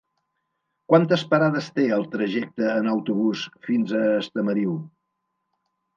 Quantes parades té el trajecte en autobús fins a Estamariu?